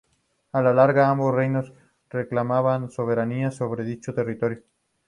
A la larga ambos reinos reclamaban soberanía sobre dicho territorio.